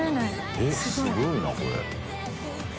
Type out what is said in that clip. えっすごいなこれ。